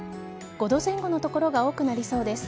５度前後の所が多くなりそうです。